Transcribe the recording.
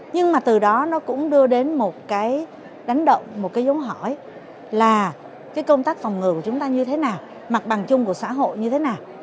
nhưng mà từ đó nó cũng đưa đến một cái đánh động một cái giống hỏi là cái công tác phòng ngừa của chúng ta như thế nào mặt bằng chung của xã hội như thế nào